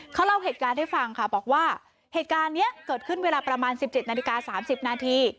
เขาเล่าเหตุการณ์ให้ฟังค่ะบอกว่าเหตุการณ์นี้เกิดขึ้นเวลาประมาณ๑๗นาฬิกา๓๐นาที